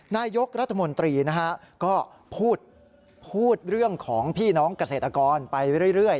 นายกรัฐมนตรีนะฮะก็พูดเรื่องของพี่น้องเกษตรกรไปเรื่อย